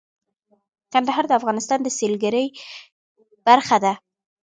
کندهار د افغانستان د سیلګرۍ برخه ده.